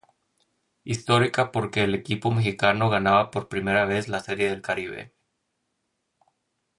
Histórica porque el equipo mexicano ganaba por primera vez la Serie del Caribe.